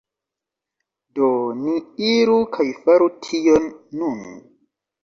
Do, ni iru kaj faru tion nun